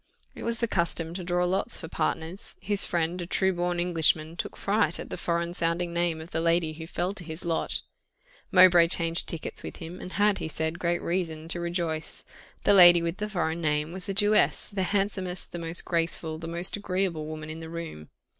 It was the custom to draw lots for partners. His friend, a true born Englishman, took fright at the foreign sounding name of the lady who fell to his lot Mowbray changed tickets with him, and had, he said, great reason to rejoice. The lady with the foreign name was a Jewess, the handsomest, the most graceful, the most agreeable woman in the room.